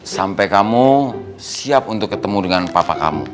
sampai kamu siap untuk ketemu dengan papa kamu